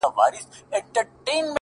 والله ه چي په تا پسي مي سترگي وځي!!